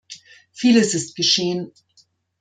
Vieles ist geschehen.